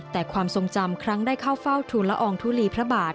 แต่ความทรงจำครั้งได้เข้าเฝ้าทุนละอองทุลีพระบาท